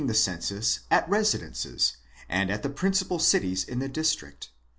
the census at the residences, and at the principal cities in the district.